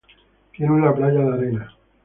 Tiene una playa de arena.